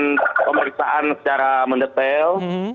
kalau pemeriksaan secara mendetail